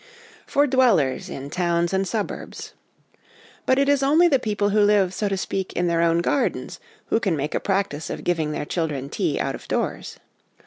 For Dwellers in Towns and Suburbs. But it is only the people who live, so to speak, in their own gardens who can make a practice of giving their children tea out of doors.